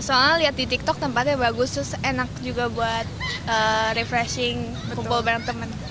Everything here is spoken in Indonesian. soalnya lihat di tiktok tempatnya bagus terus enak juga buat refreshing kumpul bareng teman